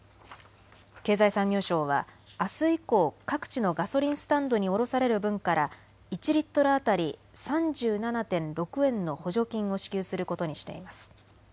経済産業省はあす以降、各地のガソリンスタンドに卸される分から１リットル当たり３７．６円の補助金を支給することにしています。